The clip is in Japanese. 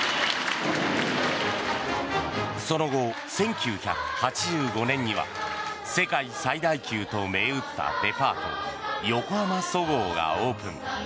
その後、１９８５年には世界最大級と銘打ったデパート横浜そごうがオープン。